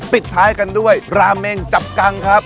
ปิดท้ายกันด้วยราเมงจับกังครับ